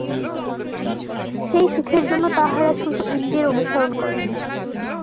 সেই সুখের জন্য তাহারা শুধু ইন্দ্রিয়ের অনুসরণ করে।